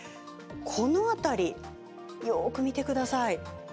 この辺り、よく見てください。